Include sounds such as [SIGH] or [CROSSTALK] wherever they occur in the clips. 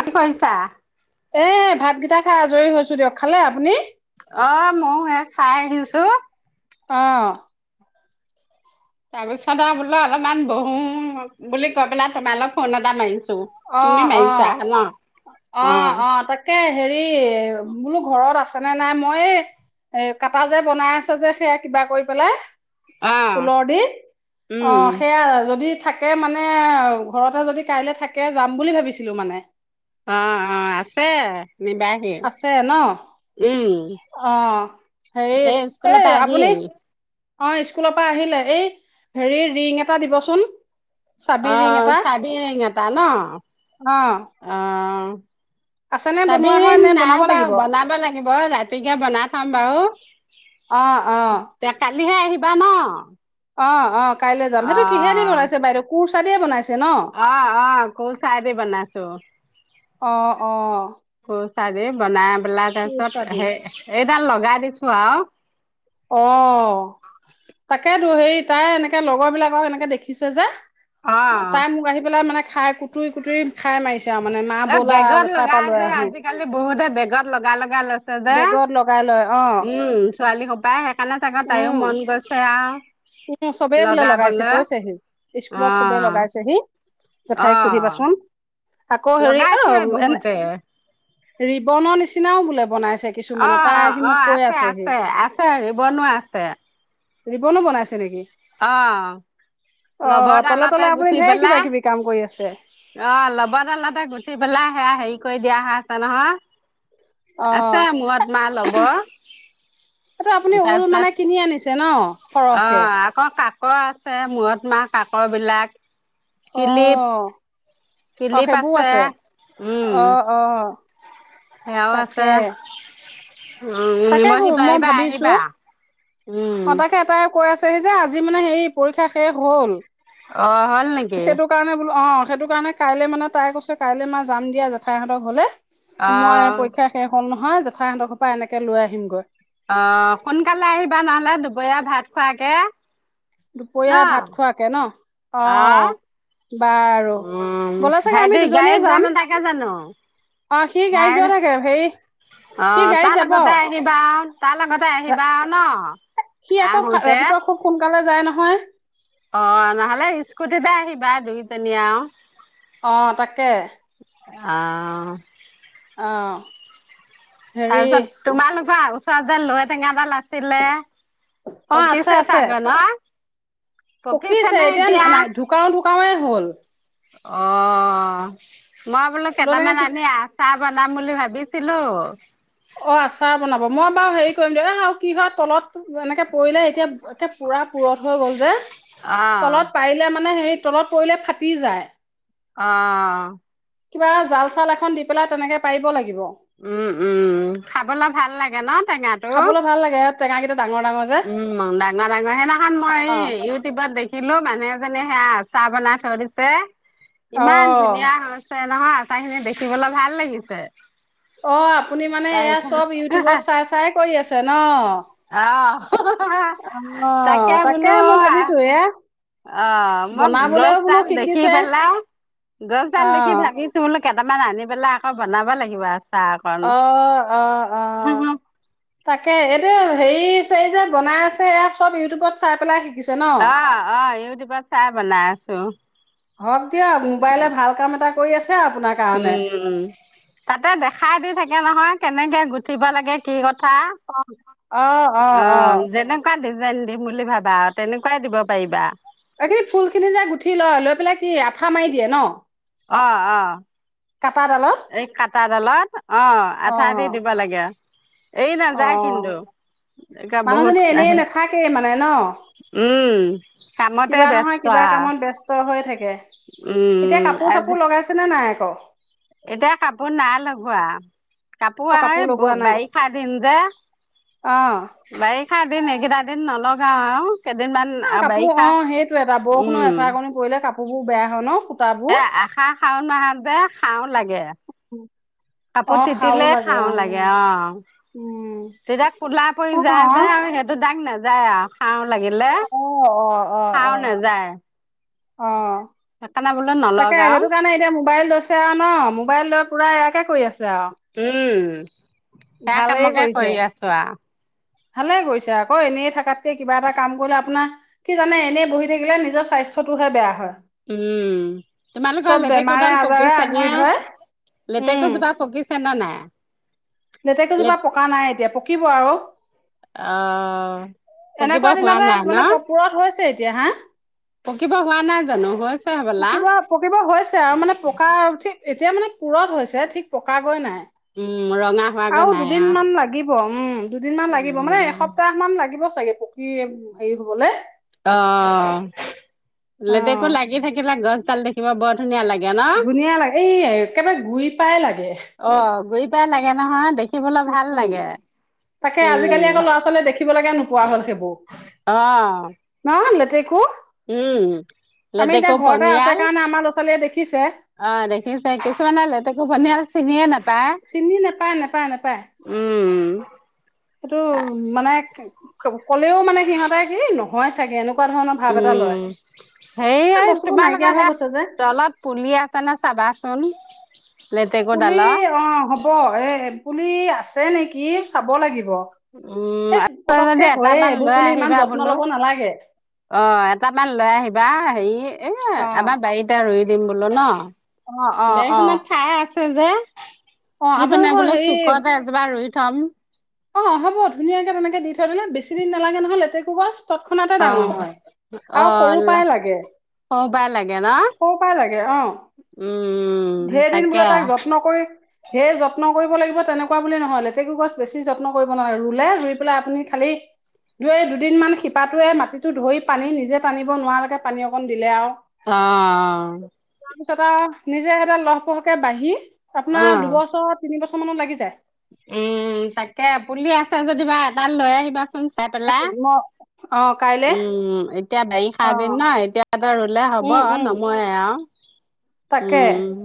কি কৰিছা এ ভাতকেইটা খাই আজৰি হৈছো দিয়ক খালে আপুনি অ ময়ো স খাই আহিছো আহ তাৰপিছত আৰু বোলো অলপমান বহো বুলি কৈ পেলাই তোমালৈ ফোন এটা মাৰিছো অ তুমি -অ মাৰিছা ন? -অ -অ তাকে হেৰি বোলো ঘৰত আছে আছে নে নাই মই এ কাটা যে বনাই আছ যে সেয়া কিবা কৰি পেলাই অ' লৰ দি অ উম সেয়া যদি থাকে মানে ঘৰতে যদি কাইলে থাকে যাম বুলি ভাবিছিলো মানে অ -অ আছে নিবাহি আছে ন উম অ হেৰি এই স্কুলৰ পৰা আহিল অ স্কুলৰ পৰা আহিলে এই হেৰি ৰিং এটা দিবচোন চাবি অ ৰিং এটা চাবি ৰিং এটা হ ন অ অ আছেনে চাবি বনোৱা হয় ৰিং নে বনাব নাই লাগিব বাৰু বনাব লাগিব ৰাতিকে বনাই থাম বাৰু অ অ এতিয়া কাই কালিহে আহিবা ন অ অ কাইলৈ যাম সেইটো কিহে দি অ' বনাইছে বাইদেউ কোৰ্চ চা দিয়ে বনাইছে ন অ অ কোৰ্চা দি বনাইছো অ অ কোৰ্চাৰে বনাই পেলাই কুৰ্চা তাছত দি এই এডাল লগাই দিছো আও অ তাকেইেতো হেৰি তাই এনেকে লগৰ বিলাকক এনেকে দেখিছে যে অ তাই মোক আহি পেলাই মানে। খাই কুটুৰি কুটুৰি খাই মাৰিছে। আৰু মানে মা এ ব'লা বেগত জেঠাইৰ লগা পৰা লৈ যে আহো আজিকালি বহুতে বেগত লগা লগা লৈছে যে বেগত লগাই লয় অ উম। ছোৱালী সবায়ে উম উম চবেই বোলে লগাইছে লগাবলৈ কৈছেহি অ স্কুলত চবে লগাইছেহি অ জেঠাইক সুধিবাচোন। আকৌ হেৰি অ লগাইছে এনে বহুতে ৰিবনৰ নিচিনাও বোলে বনাইছে অ কিছুমানে তাই অ আহি অ মোক কৈ আছে আছেহি আছে আছে ৰিবনো আছে ছে ৰিবনো বনাইছে নেকি অ তলে তলে লবৰডালতে আপুনি গুঠি ঢেৰ কিবা পেলাই কিবি কাম কৰি আছে অ লবৰডালতে গুঠি পেলাই সেয়া হেৰি কৰি দিয়া হৈ আছে অ নহয়। আছে মূৰত মা ল'ব এইটো আপুনি ঊল মানে কিনি আনিছে ন অ সৰহকে আকৌ কাকৰ আছে মূৰত মাহ কাকৰ বিলাক কিলিপ অহ অহ সেইবোৰ আছে উম অ অ সেয়াও তাকে আছে উ তাকে নিবহি মই পাৰিবা ভাবিছো আহিবা উম আছে সি যে আজি মানে সেই পৰীক্ষা শেষ হ'ল অ হল নেকি সেইটো কাৰণে বোলো অ সেইটো কাৰণে কাইলৈ মানে তাই কৈছে কাইলৈ মা যাম দিয়া জেঠাইহঁতৰ ঘৰলে। অ মই পৰীক্ষা শেষ হ'ল ন নহয় জেঠাইহতৰ‌ ঘৰপা এনেকে লৈ আহিম গৈ অ সোনকালে আহিবা নহলে দুপৰীয়া ভাত খোৱাকে ন দুপৰীয়া ভাত খোৱাকে ন অ বাৰু উম গ'লে চাগে আমি ভাইটি দুজনীয়ে গাড়ীত গয় যাম নাতাকে জানো অ সি গাড়ীত ভাই গৈ থাকে হেৰি অ সি গাড়ীত তাৰ যাব লগতে আহবা আও তাৰ লগতে আহিবা আৰু ন'? আহোতে হয়। অ' নহ'লে ইস্কুটিতে আহিবা দুইজনী আও। অ' তাকে। অ'। অ'। তাৰ হেৰি পিছত তোমালোকৰ চৰত যে লৌ টেঙা এডাল আছ ছিলে, অ আছে পকিছে আছে চাগে ন'? পকিছে। এতিয়া নাই, ঢুকাও - ঢুকাওৱে হ'ল। অ'। মই বোলো লনেকে কেইটামান কি আনি আছাৰ বনাম বুলি ভাবিছিলোঁ। অ কিবা তলত এনেকে পৰিলে। এতিয়া একে পুৰা পুৰঠ হৈ গ'ল যে। অ তলত পাৰিলে মানে হে তলত পৰিলে ফাটি যায়। অ'। কিবা জাল-চাল এখন দি পেলাই তেনেকে পাৰিব লাগিব। উম - উম। খাবলৈ ভাল লাগে ন' টেঙটো? খাবলৈ ভাল লাগে টেঙাকেইটা ডাঙৰ ডাঙৰ যে উম, ডাঙৰ- ডাঙৰ। সেইদিনাখন মই এই অ ইউটিউবত দেখিলোঁ। মানুহ এজনী সেয়া আ চাৰ বনাই থৈ দিছে। ইমান অ ধুনীয়া হৈছে। নহয়, আচাৰখিনি দেখিবলৈ ভাল লাগিছে। অ' আপুনি মানে এয়া তাৰপিছত চব ইউটিউবত চাই - চাই কৰি আছে ন'? আহ অ' তাকে মই ভাবিছোঁ এয়া। অ মোক বনাবলেও বোলো গছডাল দেখি শিকিছে। পেলাই অ'। গছডাল দেখি ভাবিছো বোলো কেইটামান আনি পেলাই আকৌ বনাব লাগিব আ অ' - অ' - অ'। তাকে। এইটো হেৰি-চেৰি যে বনাই আছে, এয়া চব ইউটিউবত চাই পেলাই শিকিছে ন? অ' - অ' ইউটিউবত চাই বনাই ছোঁ। হওঁক দিয়ক। মোবাইলে ভাল কাম এটা কৰি আছ আপোনাৰ কাৰণে। উম তাতে দেখাই দি থাকে নহয়, কেনেকে গুঠিব লাগে, কিহত অ' - অ' - অ'। যে দিম বুলি ভাবা আৰু তেনেকোৱাই দিব পাৰিবা এইবিলাক কি আঠা মাৰি দিয়ে ন অ অ কাটাডালত এই কাটাডালত অ আঠা দি দিব লাগে এৰি অ নাযায় কিন্তু এতিয়া বহুত মানুহজনী এনেই আহে নাথাকে মানে ন উম কামতে কিবা নহয় ব্যস্ত কিবা আও কামত ব্যস্ত হৈ থাকে। এতিয়া উম কাপোৰ চাপোৰ আজি লগাইছেনে নাই? অ এতিয়া কাপোৰ নাই লগোৱা কাপোৰ অ আহে লগোৱা নাই বাৰিষা দিন যে অ বাৰিষা দিন এইকেইটা দিন নলগাও আৰু কেইদিনমান আহ কাপোৰ অ বাৰিষা সেইটো এটা বৰষুণৰ উম এচা কণি পৰিলে কাপোৰ বহুু বেয়া হয় ন এ সূতাবোৰ আহাৰ শাওণ মাহত‌ যে সাও লাগে অ কাপোৰ খাও তিতিলে খাওঁ অ লাগে অ উম তেতিয়া কলা পৰি অ যায় যায় আৰু সেইহটো দাগ নাযায় যায় আৱ খাওঁ লাগিলে অ অ অ খাওঁ অ নাযায় অ সেইকাৰণে বোলো তাকে নলগাও সেইটো কাৰণে এতিয়া মোবাইল লৈ ছে আৱ ন মোবাইল লৈ পুৰা এয়াকে কৰি আছে আৰু উম [UNINTELLIGIBLE] সেয়া ভালেই কামকে কৰিছে কৰি আছো আৰু ভালে কৰিছে আকৌ এনেই থকাতকে কিবা এটা কাম কৰিলে আপোনাৰ কি জানে এনেই বহি থাকিলে নিজৰ স্বাস্থ্যটোহে বেয়া হয় উম তোমালোকৰ চব বেমাৰে লেটেকুডাল আজাৰে পকিছে নে আগুৰি ধৰে লেটেকুজোপা পকিছে নে নাই লেটেকোজোপা লেট পকা নাই এতিয়া পকিব আৰু অ পকিব এনেকোৱা হোৱা দিনতে নাই ন মানে পূু পোৰা হৈছে এতিয়া হা পকিব হোৱা নাই জানো হৈ পকিব পকিব হৈছে আও মানে পকা উঠি এতিয়া মানে পূৰঠ হৈছে ঠিক পকা গৈ নাই উম ৰঙা হোৱাগৈ আৰু নাই দুদিন আও মান লাগিব উম দুদিন মান লাগিব মানে উম এসপ্তাহ মান লাগিব চাগে পোক কি হেৰি হবলে অ অ লেতেকু লাগি থাকে। সেইিবিলাক গছডাল দেখিব বৰ ধুনীয়া লাগে। ন ধুনীয়া লাগে এই একেবাৰে গুৰি পাই লাগে। বেয়া লাগে নহয় দেখি। উম, তাকে আজিকালি আকৌ উম ল'ৰা ছোৱালীয়ে দেখিবলৈ। নোপোৱা হ'ল সেবো অ ন লে' তেকো। উম আমি লেটেকু এতিয়া ঘৰতে আছে পনিয়াল কাৰণে আমাৰ ল'ৰা ছোৱালীয়ে দেখি। পকিছে। অ দেখিছে কিছুমানে লেতেকু পনিয়াল চিনিয়ে না। চিনি নাপাই নেপায় নেপায়। হয়। সেইটো মানে কলেও মানে সিহঁতে কি নহয় চাগে এনে। উম এই হেই বস্তুবোৰ নাইকিয়া তোমালোকৰ হৈ সে গৈছে যে তলত পুলি আছে নে চাবাচোন। লেটেকু পুলি ডালৰ অ হ'ব এ। পুলি আছে নেকি চাব লাগিব। উম, এই আহ যদি পতককে হয়ে এটামান এইবোৰ লৈ পুলি ইমান আহিবা যত্ন বোলো ল'ব নালাগে অ এটামান লৈ আহিবা হেৰি এ অ আমাৰ বাৰীতে ৰুই। দিম বোলো ন। অ অ অ বেখনত ঠাই আছে। সেই যে। অ সেই পিনাই আপোনালোকৰ বোলে হেৰি চুকত এজোপা ৰুই। থম। অ হ'ব ধুনীয়াকে তেনেকে দি থৈ দিলে বেছি দিন নালাগে নহয় লেতেকু গছ। তৎক্ষণাতে অ ডাঙৰ হয়, অ আৰু সৰু পৰাই লাগে সৰু পৰাই লাগে ন সৰু পৰাই লাগে অ উম ঢেৰ দিন তাকে বোলে তাক যত্ন কৰি ধেৰ যত্ন কৰিব লাগিব। সেই তেনেকোৱা বুলি নহয় লেতকু গছ বেছি। যত্ন কৰিব নালাগে, ৰুলে ৰুই পেলাই আপুনি খালি ৰুয়ে দুদিন মান শিপাটোৱে মাটিটো ধৰি পানী নিজে টানিব নোৱাৰাকে পানী অকণ দিলে আৰু। অঁ। তাৰপিছত আও নিজে সেতে লহপহকে বাঢ়ি। অ আপোনাৰ দুবছৰ তিন বছৰ। ছ মানত লাগি যায়। উম তাকে পুলি আছে যদিবা এডাল লৈ আহিবা। চোন চাই পেলা যায় মই অ কাইলে উম এতিয়া বাৰিষা অ দিন ন এতিয়া ৰুলে হ'ব উম উম নময় আৰু। তাকে উম।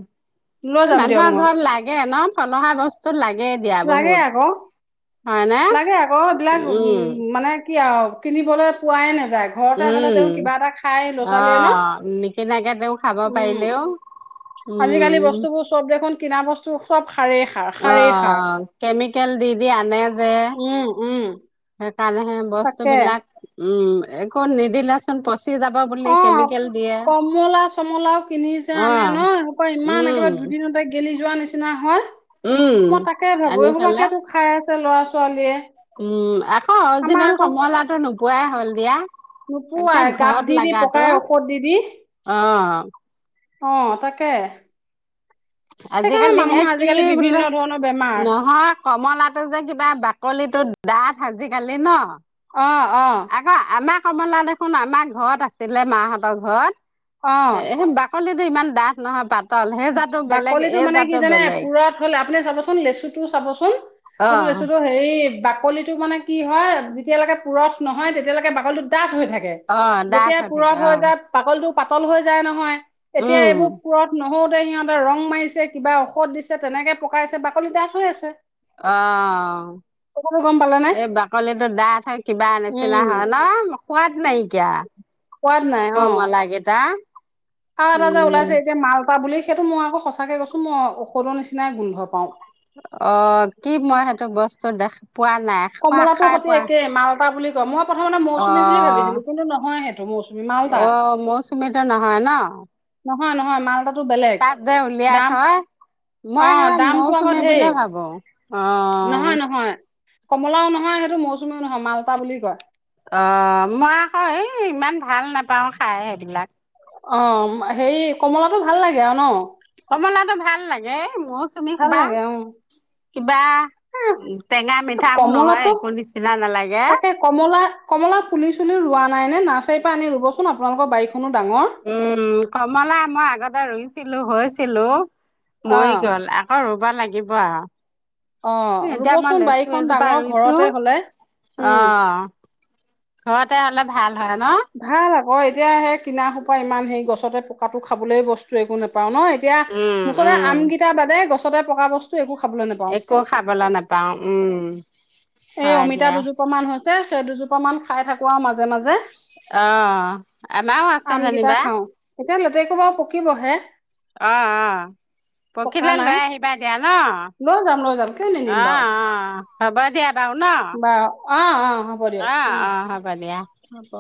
লৈ এই যাম দিয়ক মানুহৰ মই ঘৰত লাগে ন। সলহা বস্তু লাগে [UNINTELLIGIBLE] এ দিয়া লাগে বহুত আকৌ হয়নে লাগে আকৌ এইবিলাক উ উম মানে কি আৰু কিনিবলৈ পোৱাই নাছিল উম ছোৱালীয়ে ন আহ নিকিনাকে তেওঁ খাব উম। পাৰিলেও আজিকালি উম বস্তুবোৰ চব দেখোন কিনা বস্তু সব অ কেমিকেল দি- দি আনে যে উম -উম কাৰণহে তাকে বস্তুবিলাক উম এক নিদিলাচোন অ কমলা চমলাও কিনিছে অ আনে ন এক ইমান উম একেবাৰে দুদিনতে গেলি যোৱা নিচিনা হয় উম মই তাকে ভাবো আনি থলে সবাকে তো খাই আছ [UNINTELLIGIBLE] আ ল'ৰা ছোৱালীয়ে উম আকৌ আমাৰ অৰ্জিনেল আকৌ কমলাটো নুব পোৱাই হ'ল দিয়া একে নোপোৱাই গাপ ঘৰত দি -দি লাগাতো পকাই ঔকত দি -দি অ অ তাকে সেইকাৰণে আজিকালিহে মানুহৰ কি আজিকালি বিভিন্ন বোলে ধৰণৰ বেমাৰ নহয় কমলাটো যে কিবা বাকলিটো [UNINTELLIGIBLE] দাঠ আজিকালি ন অ -অ আকৌ আমাৰ কমলা দেখোন আমাৰ ঘৰত আছিলে মাহঁতৰ ঘৰত অ'। এ বাক [UNINTELLIGIBLE] কলিটো ইমান ডাঠ নহয় পাত [UNINTELLIGIBLE] তল হে জাত বাকলিটো মানে কি জানে পুৰত হলে আপুনি চাবচোন লেচু টো চাবচোন অ', এটো লেচুটো হেৰি বাকলিটো মানে কি হয় যেতিয়ালৈকে পুৰঠ নহয় তেতিয়ালৈকে বাকলিটো ডাঠ হৈ থাকে অ', ডাঠ যেতিয়া থাকে পুৰত হৈ অ', যায় পাগলটো পাতল হৈ যায় নহয়। এতিয়া উম, এইবোৰ পুৰঠ নহও তে সিহঁতে ৰং মাৰিছে কিবা ঔষধ দিছে তেনেকে পকাইছে বাকলি ডাঠ হৈ আছে। অঁ কথাটো গম পালে নে এই বাকলিটো ডাঠ হয় কিবা নিচিনা উম হয় ন। সোৱাদ নাই। কিয়া সোৱাদ নাই অ কমলা গেটা আৰু এটা যে ওলাইছে এতিয়া মালতা বুলি। এটো মই আকৌ সঁচাকে কৈছোঁ মই ঔষধৰ নিচিনাই গোন্ধ পাওঁ। অঁ কি মই সেইটো বস্তু দেখা। পোৱা কমলা সতে একে মালতা বুলি কয় মই প্ৰথমতে মৌচুমী বুলি অঁ ভাবিছিলো কিন্তু নহয় সেইটো মৌচুমী মালতা অ মৌচুমীটো নহয় ন। নহয় নহয় মালতা। তাত যে উলিয়াই থয় অ মই সেইবাৰ দামটো আকৌ মৌচুমী ধেৰ বুলিয়ে ভাবো। অ নহয় নহয় কমলাও নহয় সেইটো মৌচ অ মই আকৌ এই ইমান। ভাল নাপাওঁ খাই সেইবিলাক। অ সেই কমলাটো ভাল লাগে আৰু ন। টো ভাল লাগে। মৌ চুমি ভাল সোবা লাগে অ কিবা এ টেঙা-মিঠাও নহয় কমলাটো একো নিচিনা নালাগে। তাকে কমলা কমলা পুলি চুলি ৰোৱা নাই নে নাচাৰি পৰা আনি ৰুব চোন আপোনোক বাৰীত। উম কমলা মই আগতে ৰুইছিলোঁ হয়। হেল্লো' অ মই গ'ল আকৌ ৰোঁ কিবা লাগিব আঅ অ ৰুবচোন বাৰীখন ডাঙৰ ৰুইছো ঘৰতে হ'লে। অ উম ঘৰতে হ'লে ভাল। হয় ন অঁ এতিয়া সেই কিনা সোপা ইমান সেই গছতে পকাটো খাবলৈ বস্তু একো নেপাওঁ নেপাওঁ ন, এতিয়া উম মুঠতে উম আমগেইটা বাদে গছ সদায় পকা বস্তু একো খাবলৈ নোপাওঁ একো খাবলৈ নাপাওঁ উম এ হয় অমিতা দিয়া দুজোপা মান হৈছে। চে দুজোপাও অকমান খাই থাকো আৰু মাজে মাজে। অ আমাও আছে আমকেইটা যেনিবা, খাওঁ এতিয়া লেতেকো বাৰু পকিবহে। অ অ, পকা পকিলে নাই লৈ আহিবা এতিয়া ন, লৈ যাম লৈ যাম অ অ। হ'ব দিয়া। বাৰু ন বাও অহ - অহ হব দিয়ক অ উম অ হ'ব দিয়া হব।